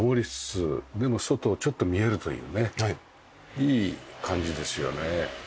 いい感じですよね。